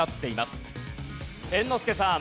猿之助さん。